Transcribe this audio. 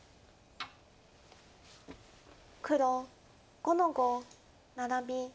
黒５の五ナラビ。